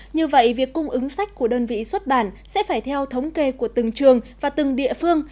như vậy việc cung ứng sách của đơn vị xuất bản sẽ phải theo thống kê của từng trường và từng địa phương